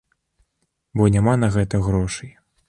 Бо няма на гэта грошай.